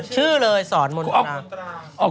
ชื่อเลยสอนมนทนา